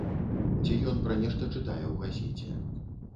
Ці ён пра нешта чытае ў газеце.